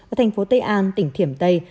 ở thành phố tây an tỉnh thiểm tây